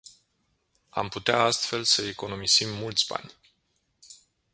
Am putea astfel să economisim mulți bani.